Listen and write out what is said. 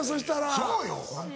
そうよ！